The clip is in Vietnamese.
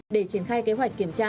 để triển khai kế hoạch kiểm tra